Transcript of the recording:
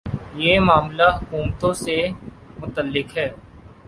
یہ معاملہ حکومتوں سے متعلق ہے۔